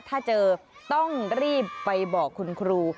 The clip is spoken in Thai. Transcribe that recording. ถ้าเจอต้องรีบไปบอกคุณครู